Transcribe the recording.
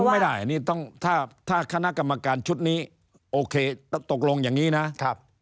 ไม่ได้ถ้าคณะกรรมการชุดนี้โอเคตกลงอย่างนี้นะ